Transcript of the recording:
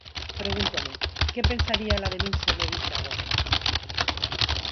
Pregúntome: "Que pensaría ela de min se me vise agora?".